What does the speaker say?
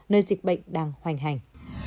nơi dịch bệnh đang hoành hành